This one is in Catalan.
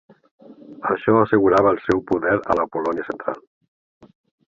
Això assegurava el seu poder a la Polònia central.